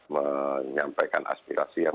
menyampaikan aspirasi yang